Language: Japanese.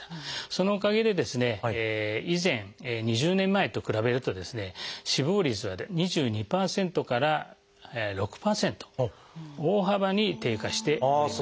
そのおかげで以前２０年前と比べるとですね死亡率は２２％から６％大幅に低下しております。